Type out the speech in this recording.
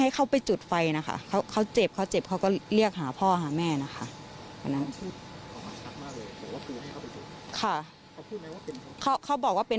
ให้ตามผิดชอบอะไรอยู่นะคะ